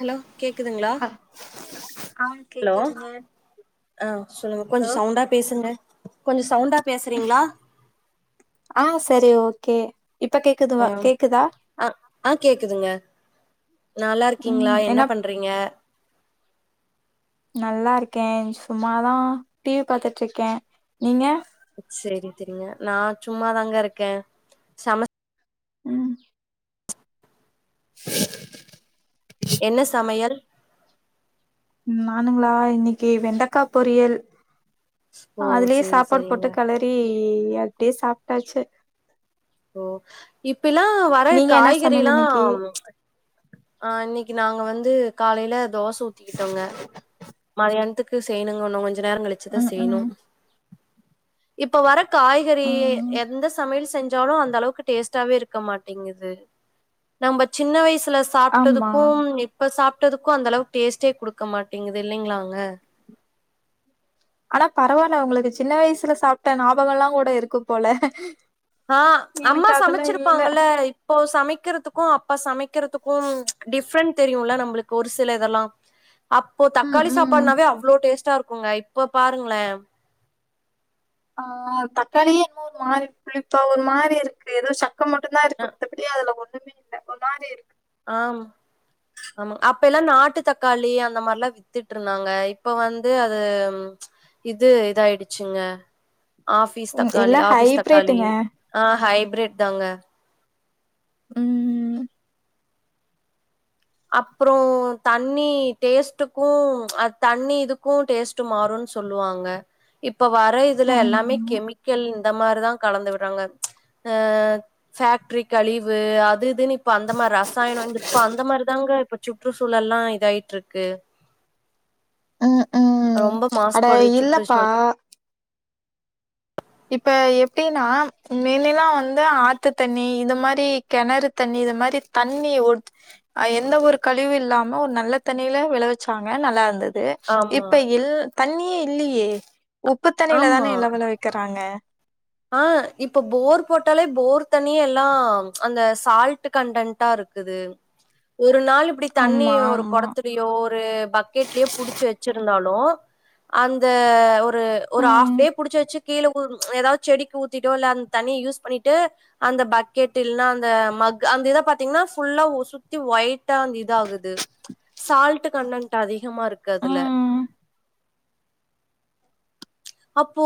Hello கேக்குதுங்ளா அ ஆ ஹலோ கேக்குதுங்க ஆ சொல்லுங்க கொஞ் ஹலோ சவுண்டா பேசுங்க கொஞ்ச சவுண்டா பேசுறீங்ளா ஆ செரி ஓகே இப்ப கேக்குது ஆ வா கேக்குதா நல்லார்க்கீங்ளா என்ன பண்றீங்க நல்லார்க்கே சும்மாதா டி வி பாத்துட்ருக்கே நீங்க செரி தெரிங்க நா சும்மாதாங்க இருக்கே‌ சமச் ம் என்ன சமையல் நானுங்ளா இன்னிக்கி வெண்டக்கா பொரியல் ஓ அதுலே சேரி சாப்பாடு போட்டு சேரிங்க கிளறி அப்டே சாப்டாச்சு ஓ இப்பய்ல்லா வர நீங்க என்ன சமையல் காய்கறிலா இன்னைக்கு ஆ இன்னைக்கி நாங்க வந்து காலைல தோச ஊத்திக்கிட்டோங்க மதியான்த்துக்கு செய்யணுங்க உன்னு கொஞ்ச நேர கழிச் சத ம் செய்ணு ம் இப்ப வர காய்கறி ம் எந்த சமையல் செஞ் ஜோரோ அந்த அளவுக்கு டேஸ்ட்டாவே இருக்க மாட்டேங்குது நம்ப சின்ன வயசுல ஆமா சாப்டதுக்கும் இப்ப சாப்டதுக்கு அந்த அளவுக்கு டேஸ்ட்டே குடுக்க மாட்டேங்குது இல்லிங்ளாங்க ஆனா பரவால்ல உங்களுக்கு சின்ன வயசுல சாப்ட ஞாபகல்லா கூட இருக்கு போல ஆ எனக்கு அம்மா அதெல்லா இல்ல சமச்சிருப்பாங்கல இப்போ சமைக்கிறதுக்கு அப்ப சமைக்கிறதுக்கு டிஃப்ரெண்ட் தெரியுல நம்புளுக்கு ஒரு சில இதெல்லா அப்போ ம் தக்காளி ம் சாப்பாட்னாவே அவ்ளோ டேஸ்ட்டா இருக்குங்க இப்ப பாருங்ளே ஆ தக்காளியே இன்னவோ ஒரு மாரி புளிப்பா ஒரு மாரி இருக்கு ஏதோ சக் க மட்டுந்தா இருக்கு மத்தபடிய அதுல ஒண்ணுமே இல்ல ஒரு மாரி இருக்கு ஆம் ஆமா அப்பய்லா நாட்டு தக்காளி அந்த மார்லா வித் திட்ருந்தாங்க இப்ப வந்து அது இது இதாயிடுச்சுங்க ஆபிஸ் ம் தக்காளி எல்லா ஆபிஸ் தக்காளி ஹைப்ரேட்டுங்க ஆ ஹைபிரேட் தாங்க ம் அப்றோ தண்ணி டேஸ்டுக்கு அத் தண்ணி இதுக்கு டேஸ்ட் டு மாறுன் சொல்லுவாங்க இப்ப வர இதுல எல்லாமே ஆமா கெமிக் க்கெள் இந்த மாரிதான் கலந்து விட்றாங்க அ ஃபேக்ட்ரி கழிவு அது இதுன்னு இப் இப்ப அந்த மாதிரி ரசாயனம் இந்த இப்ப அந்த மார் ரசாயனோங்குட் இப்ப அந்த மாரிதாங்க இப்ப சுற்றுசூழல்லா இதாயிட்ருக்கு ம் அ ம் ரொம்ப அட மாசுபடுது இல்லப்பா சுற்றுச்சூழல் இப்ப எப்டின்னா மின்னேலல்லா வந்து ஆத்து தண்ணி இது மாரி கெணறு தண்ணி இது மாரி தண்ணிய உட் அ எந்த ஒரு கழிவு இல்லாம ஒரு நல்ல தண்ணியில விளைவிச்சாங்க நல்லா இருந்தது ஆமா இப்ப இல் தண்ணியே இல்லியே உப்பு தண்ணில தானே ஆமா எல்லாவல வைக்கிறாங்க ஆ இப்ப போர் போட்டாலே போர் தண்ணியே எல்லாம் அந்த சால்ட் கன்டன்ட்டா இருக் க்குது ஒரு நாள் இப்புடி தண்ணி ஆமா ஒரு ஆமா கொடத்துலயோ ஒரு பக் கெட்லயோ புடிச்சு வெச்சிருந்தாலும் அந்த ஒரு ஒரு ம் ஹாஃப் டே புடிச்சு வெச்சு கீழ ஊருன் ஏதாவது செடிக்கு ஊத்திட்டோ இல்ல அந் தண்ணிய யூஸ் பண்ணிட்டு அந்த பக்கெட் இல்ன்னா அந்த மக் அந்த இத பாத்தீங்கன்னா ஃபுல்லா ஊ சுத் த்தி ஒயிட்டா அந்த இத ஆகுது சால்ட் கன்டன்ட் அதிகமா இருக்கு அதுல ம் அப்போ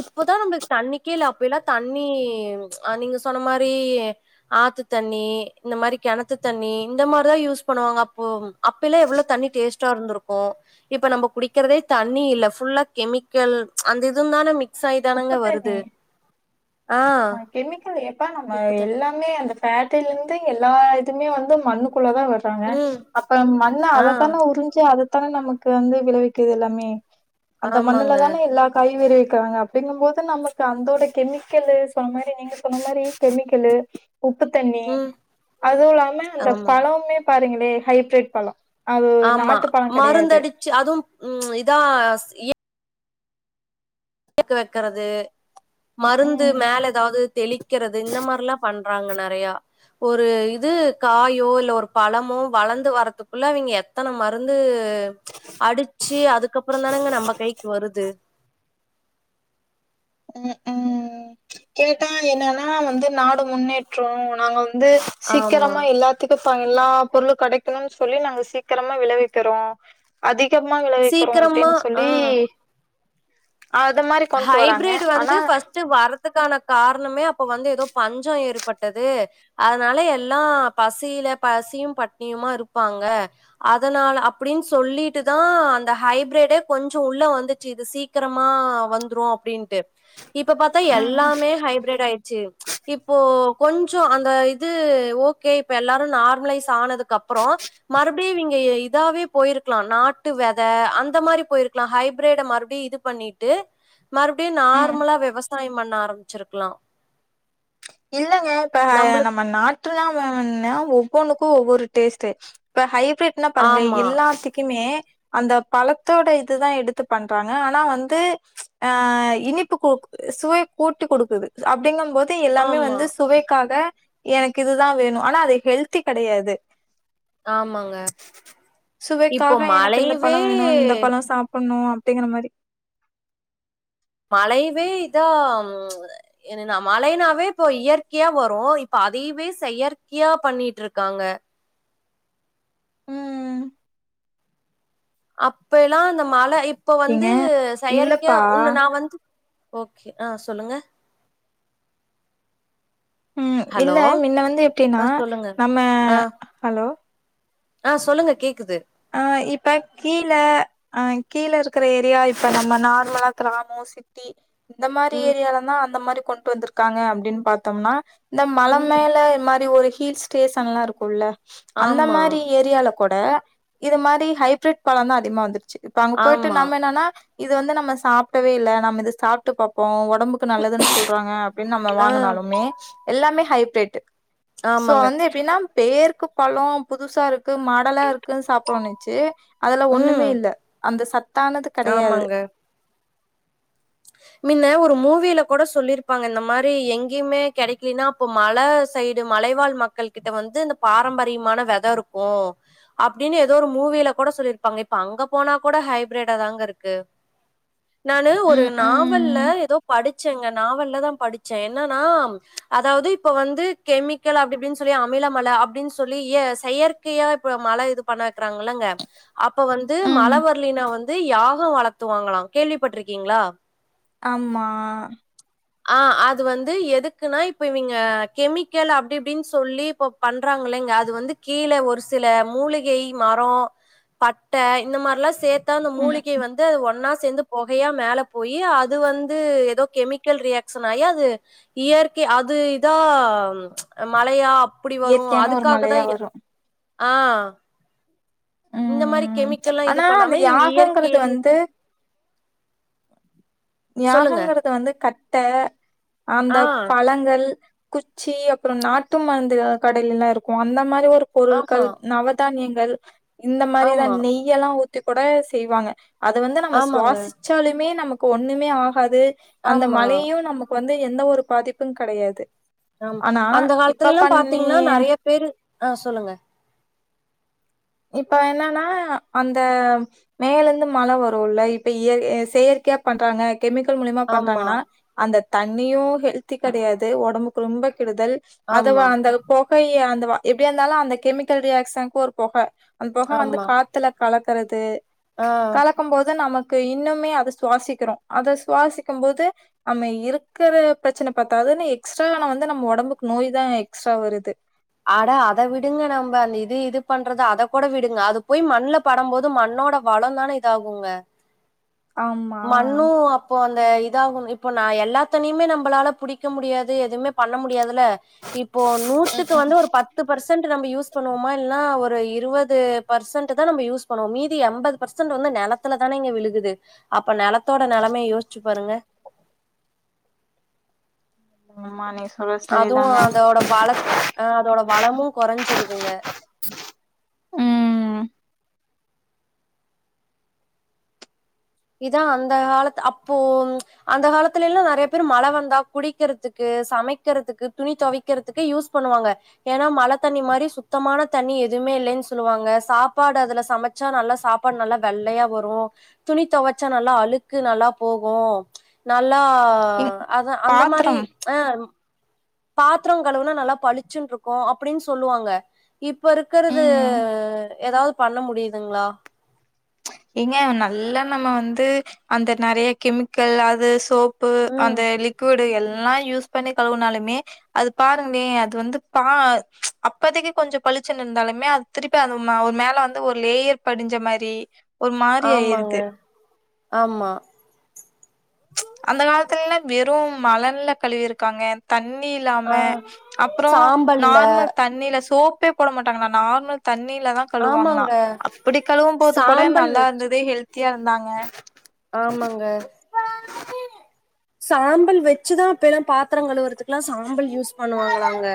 இப்போதான் நம்புளுக்கு தண்ணிக்கே இல்ல அப்பைல்லா தண்ணி அ நீங்க சொன்ன மாரி ஆத்து தண்ணி இந்த மாரி கெணத்து தண்ணி இந்த மாரிதான் யூஸ் பண்ணுவாங்க அப்போ ம் அப்ப எல்லா எவ்வளோ தண்ணி டேஸ்ட்டா இருந்துருக்கும் இப்ப நம்போ குடிக்கிறதே தண்ணி இல்ல ஃபுல்லாக் கெமிக்கல் அந்த இதும் தான மிக் உப்புத்தண்ணி ஆ மா கெமிக்கல் ஏப்பா நம்ம உப்பு தண்ணி எல்லா ம்மே அந்த ஃபேக்ட்ரிலந்து எல்லா இதுவுமே வந்து மண்ணுக்குள்ள தா வருத் ட்டாங்க ம் அப்ப மண்ண ஆ அதத்தான்னா உறிஞ்சு அதத் த்தானே நமக்கு வந்து விளைவிக்குது எல்லாமே அந்த மண்ணுல ஆமாங்க தானே எல்லா காயு விளைவிக்குறாங்க அப் ப்டிங்கும் போது நமக்கு அந்தோட கெமிக்கெல்லு சொன்ன மாரி நீங்க சொன்ன மாரி கெமிக்கெல்லு உப்பு தண்ணி ம் அதுவும் இல்லாம அந்த ஆமாங்க பழம்மே பாருங்களே ஹைப்ரிட் பழம் அது நாட்டு பழம் கெடையாது ச்சி அதுவும் ம் இதா ஸ் ஏ [unintelligible] வெக்கறது மருந் து ம் மேல ஏதாவது தெளிக்கிறது இந்த மாரில்லா பண்றாங்க நறையா ஒரு இது காயோ இல்ல ஒரு பழமோ வளந்து வரதுக்குள்ள இவைங்க எத்தன மருந்து து அடிச்சு அதுக்கப்புறோந் தானங்க நம்ப கைக்கு வருது ம் ம் கேட்டா என்னன்னா வந்து நாடு முன்னேற்றோ நாங்க வந்து ஆமா சீக்கிரமா எல்லாத் துக்கு ஃப்பா எல்லா பொருளும் கடைக்குணோன்னு சொல்லி நாங்க சீக்கிரமா விளைவிக்கிறோ அதிகமா விளைவிக்கிறோ சீக்கிரமா அப்டின் சொல்லி ஆ அத மாரித் ஹைப்பிரிடு் வந்து ஃபஸ்ட் ட்டு வர்ரதுக்கான காரணமே அப்போ வந்து ஏதோ பஞ்சோ ஏற்பட்டது அதனால எல்லா பசியில பசியும் பட்னியுமா இருப்பாங்க அதனால அப்புடின்னு சொல்லிட்டுதான் அந்த ஹைப்ரிட்டு கொஞ்சோ உள்ள வந்துச்சு இது சீக்கரமா வந்துரும் அப்புடின்ட்டு இப்ப பாத்தா ம் எல்லாமே ஹைப்ரிட் ஆயிட்ச்சு இப்போ கொஞ்சோ அந்த இது ஓகே இப்ப எல்லாரும் நார்மலைஸ் ஆனதுக்கு அப்புறோ மறுப்டியும் இவிங்க ஏ இதாவே போயிருக்குலா நாட்டு வெத அந்த மாரி போயிருக்குலா ஹைப்ரிட மறுபுடியும் இதுப் பண்ணிட்டு மறுப்டியும் ம் நார்மலா விவசாயம் பண்ண ஆரம்பிச்சிருக்குலா இல்லங்க இப்ப நம்ம நாட் ட்ருல்லா உணவுன்னா ஒவ்வொன்னுக்கும் ஒவ்வொரு டேஸ்ட்டு இப்ப ஹைப்ரிட் ல்லா பாருங்ளே ஆமா எல்லாத்துக்குமே அந்த பழத்தோட இதுதா எடுத்து பண்றாங்க ஆனா வந்து ஆ இனிப்பு கூக் சுவை கூட்டி குடுக்குது அப்படிங்கம் போது டு எல்லாமே ஆமா வந்து சுவைக்காக எனக்கு இதுதா வேணு ஆனா அது ஹெல்த்தி கெடையாது ஆமாங்க இப்போ சுவைக்காக எனக்கு இந்த பழ மழையவே வேணு இந்த பழொ சாப்ப ன்னு அப்டிங்கிற மாரி மழையவே இதா ம என்ன ந மழைனாவே இப்ப இயற்கையா வரு இப்ப அதையவே செயற்கையா பண்ணிட்ருக்காங்க ம் அப்ப எல்லா இந்த மழ இப்ப வந்து ஏங்க செயற்கையா இல்லப்பா உன்னு நா வந்து ஓக்கே ஆ சொல்லுங்க ம்மு இல்ல ஹலோ மின்ன வந்து ஆ எப்டின்னா சொல்லுங்க நம்ம ஆ ஹலோ ஆ சொல்லுங்க கேக்குது ஆ இப்ப கீழ ஆ கீழ இருக்குற ஏரியா இப்ப நம்ம நார்மலா க்ராமோ சிட்டி இந்த மாரி ம் ஏரியாலந்தா அந்த மாரி கொண்டு வந்துருக்காங்க அப்டின் பாத்தம்னா இந்த மல ம் மேல இந் மாரி ஒரு ஹில் ஸ்டேஷன்லா இருக்குல்ல அந்த ஆமா மாரி ஏரியால கூட இரு மாரி ஹைப்ரிட் பழந்தா அதிகமா வந்துருச்சு இப்ப அங்க போயிட்டு ஆமா நாம் என்னன்னா இது வந்து நம்ம சாப்ட்டவே இல்ல நம்ம இது சாப்ட்டு பாப்போ ஒடம்பு க்கு நல்லதுன் சொல்றாங்க அப்டின் நம்ம ஆ வாங்குனாலுமே எல்லாமே ஹைப்ரிட்டு சோ ஆமாங்க வந்து எப்டின்னா பேருக்கு பழோ புதுசா இருக்கு மாடலா இரு சாப்புறோனுச்சு அதுல ஒண்ணுமே ம் இல்ல அந்த சத்தானது கடையாது ஆமாங்க [inaudible] மின்ன ஒரு மூவில கூட சொல்லிருப்பாங்க இந்த மாரி எங்கயுமே கெடைக்கனா அப்ப மல சைடு மலைவாழ் மக் கள்கிட்ட வந்து இந்த பாரம்பரியமான வெத இருக்கூ அப்டின்னு ஏதோ ஒரு மூவில கூட சொல்லிருப்பாங்க இப்ப அங்க போனா கூட ஹைப்ரேட்டா தாங்க இருக்கு நானு ஒரு ம் நாவல்ல ம் ஏதோ படி ச்சேங்க நாவல்ல தா படிச்சே என்னன்னா அதாவ்து இப்ப வந்து கெமி கல் அப்டி இப்டின் சொல்லி அமில மழ அப்டின்னு சொல்லி ய செயற்கையா இப்ப மழ இது பண்ண வக்குறாங்க இல்லங்க அப்ப வந்து ம் மழ வர்லின்னா வந்து யாகொ வளத்துவாங்களா கேள்விப்பட்ருக்கீங்களா ஆம்மா ஆ அது வந்து எதுக்குன்னா இப்ப இவிங்க கெமிக்கல் அப்டி இப்டின் சொல்லி இப்போ பண்றாங்கலைங்க அது வந்து கீழ ஒரு சில மூலிகை மரொ பட்ட இந்த மாரில்லா சேத்தா அந்த ம் மூலிகை வந்து அது ஒன்னா சேந்து பொகையா மேலப் போயி அது வந்து எதோ கெமிக்கல் ரியாக்ஷன் ஆயி அது இயற்கை அது இதா ம் மழையா அப்டி வரு இயற்கையான ஒரு அதுக்காகத் தா மழையா இது வரு ஆ இந்த மாரி ம் கெமிக்கலா இது ஆனா அந்த பண்ணாம இவங்க யாகங்கிறது இயற்கையிலே வந்து சொல்லுங்க. யாகங்கறது வந்து கட்ட ஆ, அந்தப் பழங்கள் குச்சி அப்பனறோ நாட்டு மருந்துவ கடைலலா இருக்கூ அந்த மாரி ஒரு ஆமா, பொருள்கள் நவ தானியங்கள் இந்த மாரி தா ஆமா, நெய்யெல்லா ஊத்தி கூட செய்வாங்க அது வந்து நம்ம ஆமாங்க, சுவாசிச்சாலுமே நமக்கு ஒண்ணுமே ஆகாது அந்த ஆமா. மலையு நமக் கு வந்து எந்த ஒரு பாதிப்புங் கெடையாது ஆம் ஆனா அந்த இப்ப காலத்துலெல்லா பண்ணி பாத்தீங்ன்னா நறையா பேரு ஆ சொல்லுங்க இப்ப என்னன்னா அந்த மேலந்து மழ வருல்ல இப்ப இயற் எ செயற்கையா பண்றாங்க கெமிக்கல் மூலியமா ஆமா பண்றாங்கன்னா அந்த தண்ணியு ஹெல்த்தி கெடையாது ஒடம்புக்கு ரொம்பக் கெடுதல் அதுவா ஆமா அந்தல் பொகைய அந்த வா எப்டியாந்தாலு அந்த கெமிக்கல் ரியாக்ஷனுக்கு ஒரு பொக அந்த பொக வந்து ஆமா காத்துல கலக்கறது ஆ க்கும் போது நமக்கு இன்னுமே அத சுவாசிக்கிறோ அத சுவாசிக்கும் போது அம்ம இருக்குற ப்ரச்சன பத்தாதுன்னு எக்ஸ்ட்ராவால்லா வந்து நம்ம ஒடம்புக்கு நோய் தா எக்ஸ்ட்ரா வருது அட அத விடுங்க நம்ப அந்த இது இது பண்றத அதக் கூட விடுங்க அது போய் மண்ல படம்போது மண்ணோட வளோந்தானே இதாகுங்க ஆமா. மண்ணு அப் இப்போ அந்த இதாகு இப்போ நா எல்லாத்தனையுமே நம்பளால புடிக்க முடியாது எதுவுமே பண்ண முடியாதுல்ல இப்போ நூத்துக்கு வந்து ஒரு பத் து பர்சன்ட் நம்ப யூஸ் பண்ணுவோமா இல்லன்னா ஒரு இருவது பர்சன்ட் தா நம்ப யூஸ் பண்ணுவோ மீதி எம்பத் பர்சென்ட் வந்து நெலத்துல தானேங்க விழுகுது அப்ப நெலத்தோட நெலமய யோசிச்சு பாருங்க அம்மா நீஸ் [unintelligible] அதுவு அதோட வளத் அ அதோட வளமு கொறஞ்சிருதுங்க ம் இதா அந்த காலத் அப்போ அந்த காலத்துல எல்லா நெறைய பேரு மழ வந்தா குடிக்கிறதுக்கு சமக்கிறதுக்கு துணி தொவிக் கிறதுக்கு யூஸ் பண்ணுவாங்க ஏன்னா மழத் தண்ணி மாரி சுத்தமான தண்ணீ எதுமே இல்லேன்னு சொல்லுவாங்க சாப்பாடு அதுல சமச் ச்சா நல்லா சாப்பாடு நல்லா வெள்ளையா வரு துணித் தொவச்சா நல்லா அழுக்கு நல்லா போகு நல்லா இங் அதா அந்த மாரி பாத்திரம் அம் பாத்ரோ கழுவுனா நல்லா பளிச்சுன்னு இருக்கு அப்டின்னு சொல்லுவாங்க இப்ப இருக்குறது ம் ஏதாவ்து பண்ண முடியுதுங்களா ஏங்க நல்ல நம்ம வந்து அந்த நெறையா கெமிக்கல் அது சோப் பு ம் அந்த லிக்விடு எல்லா யூஸ் பண்ணி கழுவுனாலுமே அது பாருங்களே அது வந்து பா அப்பதைக்கீ கொஞ்சோ பளிச்சுன்னு இருந்தாலுமே அத் திருப்பி அந்த ம வ ஒரு மேல வந்து ஒரு லேயர் படிஞ்ச மாரி ஒரு மாரி ஆயிருது ஆம்மாங்க ஆமா அந்த காலத்துல எல்லா வெறும் மணல்ல கழுவிருக்காங்க தண்ணியில்லாம ஆ அப்றொ சாம்பல்ல நார்மல் தண்ணியில சோப் த்த போட மாட்டாங்களா நார்மல் தண்ணியில தா கழுவுவாங்களா ஆமாங்க அப்டி கழுவும் போது கூட சாம்பல் நல்லா வச்சு இருந்ததே ஹெல்த்தியா இருந்தாங்க ஆமாங்க சாம்பல் வெச்சுதா அப்ப எல்லா பாத்ரோ கழுவுறதுக்கெல்லாம் சாம்பல் யூஸ் பண்ணுவாங்களாங்க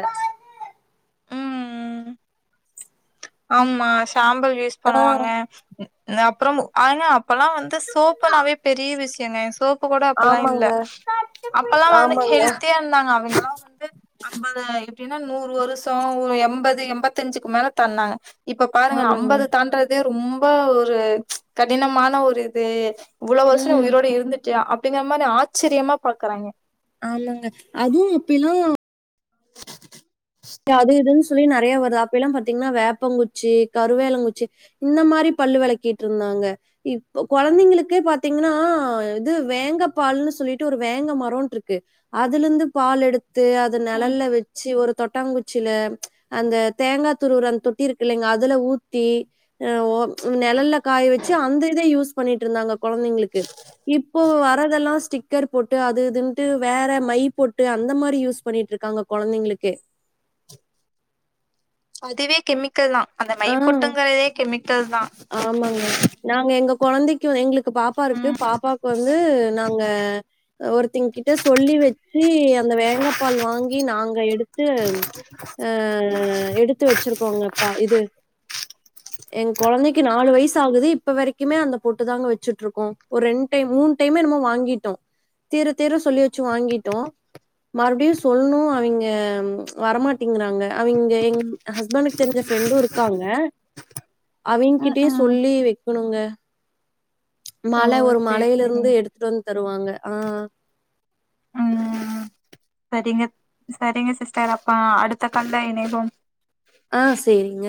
ஆம்மா சாம்பல் யூஸ் ஆ பண்ணுவாங்க அப்றோ அப்பல்லா வந்து சோப்புனாவே பெரிய விஷயங்க சோப் கூட அப்பல்லா இல்ல ஆமாங்க அப்பல்லா வந்து ஆமாங்க ஹெல்த்தியா இருந்தாங்க அவுங்கலாம் வந்து ஐம்பது எப்டின்னா நூறு வருஷம் ஒரு எண்பது எண்பத்தஞ்சுக்கு மேல தந்தாங்க இப்ப பாருங்க ஆமாங்க ஐம்பது தாண்றதே ரொம்ப ஒரு கடினமான ஒரு இது இவ்ளோ வருசம் நீ ம் உயிரோடு இருந்துட்டா அப்டிங்கிற மாரி ஆச்சரியமா பாக்குறாங்க ஆமாங்க அதுவு அப்பில்லா அது இதுன்னு சொல்லி நெறையா வருது அப்ப எல்லா பாத்தீஙன்னா வேப்பங்குச்சி கருவேலங்குச்சி இன்ன மாரி பல்லு விளக்கிட்டுருந்தாங்க இப்ப கொழந்தைங்களுக்கு பாத்தீங்ன்னா இது வேங்க பால்ன்னு சொல்லிட்டு ஒரு வேங்க மரோண்ட் ர்க்கு அதுல இருந்து பால் எடுத்து அத ம். நிழல்ல வெச்சு ஒரு தொட்டாங்குச்சில அந்த தேங்கா துருவுற அந்த தொட்டி இருக்குலேங்க அதுல ஊத்தி எ ஒ நிழல்ல காய வச்சு அந்த இத யூஸ் பண்ணிட்டுருந்தாங்க கொழந்தைங்களுக்கு இப்போ வர்றதெல்லா ஸ்டிக் கர் போட்டு அது இதுன்ட்டு வேற மை போட்டு அந்த மாரி யூஸ் பண்ணிட்டு இருக்காங்க கொழந்தைங்ளுக் எ அதுவே கெமிக்கல் தா அந்த மை பொட்டுங்கிறதே கெமிக்கல் தா ஆமாங்க நாங்க எங்க கொழந்தைக்கு எங்களுக்கு பாப்பா இருக்கு ம் பாப்பாக்கு வந்து நாங்க ஒருத்தங்க கிட்ட சொல்லி வச்சு அந்த வேங்கா பால் வாங்கி நாங்க எடுத்து ஆ எடுத்து வச்சிருக்கோங்கப்பா இது எங்க கொழந்தைக்கு நாலு வயசு ஆகுது இப்ப வரைக்குமே அந்த போட்டு தாங்க வச்சுட்டு இருக்கோம் ஒரு ரெண் டை மூணு டைமே என்னமோ வாங்கிட்டோ திர திர சொல்லி வச்சு வாங்கிட்டோ மறுபடியு சொல்லணு அவிங்க வரமாட்டிங்கிறாங்க அவிங்க எங் ஹஸ்பண்டக்கு தெரிஞ்ச ஃப்ரெண்டும் இருக்காங்க ம் அவ்கிட்டயே ம் சொல்லி வைக்கணுங்க ஓ மலை ஒரு சேரி மலையில இருந்து சேரிங்க எடுத்துட்டு வந்து தருவாங்க ஆ செரிங்க செரிங்க சிஸ்டர் அப்ப அடுத்த கால்ல இணைவோம் ஆ செரிங்க